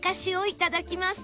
いただきます。